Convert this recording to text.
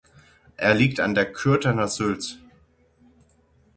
Er liegt an der Kürtener Sülz.